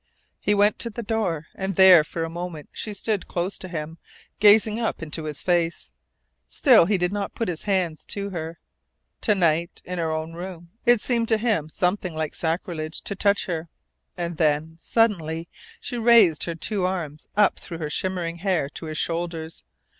He went to the door, and there for a moment she stood close to him, gazing up into his face. Still he did not put his hands to her. To night in her own room it seemed to him something like sacrilege to touch her. And then, suddenly, she raised her two arms up through her shimmering hair to his shoulders.